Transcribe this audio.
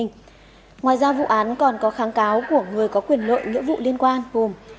ngoài ra vụ án còn có kháng cáo của người có quyền lợi nghĩa vụ liên quan gồm